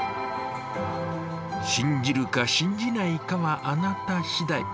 信じるか信じないかはあなた次第。